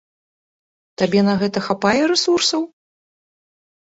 Табе на гэта хапае рэсурсаў?